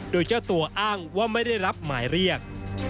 โดยเจ้าตัวอ้างว่าไม่ได้รับหมายเรียก